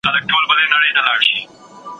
زهره چاودي به لستوڼي کي ماران سي